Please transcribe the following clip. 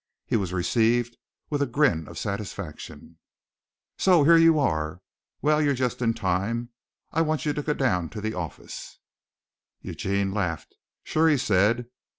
He was received with a grin of satisfaction. "So here ye arre. Will, ye're just in time. I want ye to go down to the ahffice." Eugene laughed. "Sure," he said.